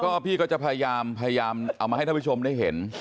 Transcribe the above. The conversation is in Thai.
ก็พี่ก็จะพยายามเอามาให้ท่านผู้ชมได้เห็น